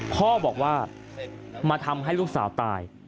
พ่อบอกว่ามาทำให้ลูกสาวตาย